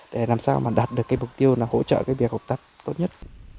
để làm sao mà đạt được cái mục tiêu là hỗ trợ cái việc học tập tốt nhất